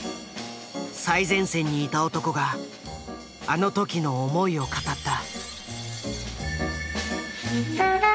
最前線にいた男があの時の思いを語った。